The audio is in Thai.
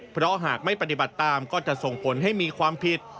เพราะหากไม่ปฏิบัติตามก็จะส่งผลให้มีความผิด